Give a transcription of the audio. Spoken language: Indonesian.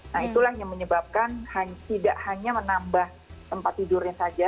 nah itulah yang menyebabkan tidak hanya menambah tempat tidurnya saja